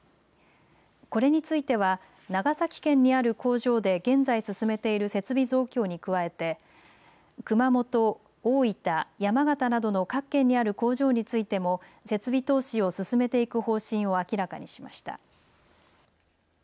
これについては長崎県にある工場で現在進めている設備増強に加えて熊本、大分、山形などの各県にある工場についても設備投資を進めていく方針を明らかにしました。